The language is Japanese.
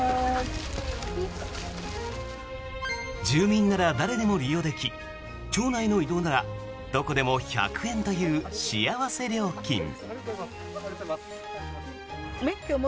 住民なら誰でも利用でき町内の移動ならどこでも１００円という幸せ料金。